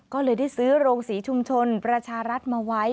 ก็เลยได้ซื้อโรงศรีชุมชนประชารัฐมาไว้